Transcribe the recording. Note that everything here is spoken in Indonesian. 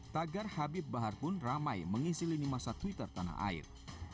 tagar habib bahar pun ramai mengisi lini masa twitter tanah air